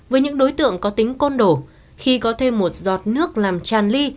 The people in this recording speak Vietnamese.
với những đối tượng có tính côn đổ khi có thêm một giọt nước làm tràn ly